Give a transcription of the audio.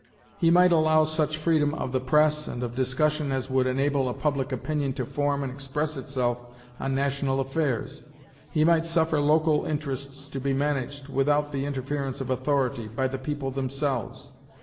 He might allow such freedom of the press and of discussion as would enable a public opinion to form and express itself on national affairs. He might suffer local interests to be managed, without the interference of authority, by the people themselves.